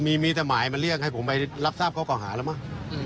ไม่ล่ะมีแต่หมายมาเรียกให้ผมไปรับทราบเขาก่อหาแล้วมั้ย